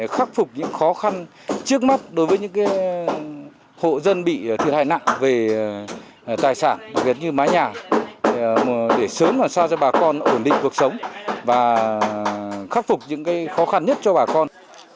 khắc phục những khó khăn trước mắt đối với những hộ dân bị thiệt hại nặng về tài sản đặc biệt như mái nhà để sớm làm sao cho bà con ổn định cuộc sống và khắc phục những khó khăn nhất cho bà con